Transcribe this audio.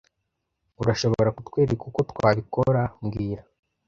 Urashobora kutwereka uko twabikora mbwira